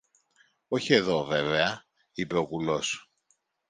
Όχι εδώ, βέβαια, είπε ο κουλός.